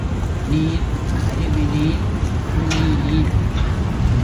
நீர், அருவிநீர், சுனைநீர்.